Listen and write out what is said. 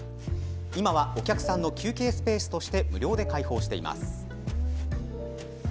今はお客さんの休憩スペースとして無料で開放しています。